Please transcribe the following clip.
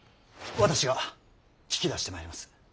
私が聞き出してまいります。